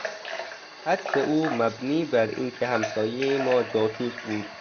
حدس او مبنی بر اینکه همسایهی ما جاسوس بود